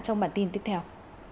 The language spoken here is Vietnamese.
trong bản tin tiếp theo